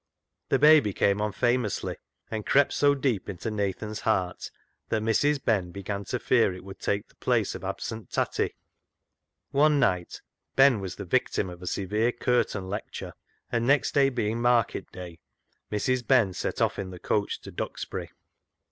The baby came on famously, and crept so deep into Nathan's heart that Mrs. Ben began to fear it would take the place of the absent Tatty. One night Ben was the ii8 CLOG SHOP CHRONICLES victim of a severe curtain lecture, and next day being market day, Mrs. Ben set off in the coach to Duxbury.